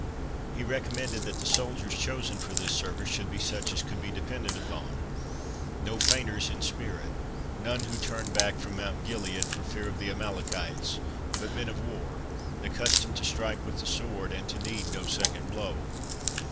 He recommended that the soldiers chosen for this service should be such as could be depended upon—no fainters in spirit—none who turn back from Mount Gilead for fear of the Amalekites, but men of war, accustomed to strike with the sword, and to need no second blow.